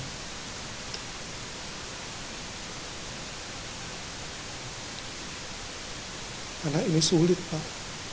karena ini sulit pak